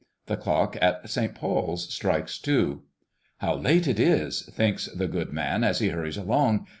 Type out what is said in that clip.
The clock at St. Paul's strikes two. "How late it is!" thinks the good man as he hurries along.